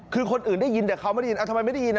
คือคนอื่นได้ยินแต่เขาไม่ได้ยินทำไมไม่ได้ยิน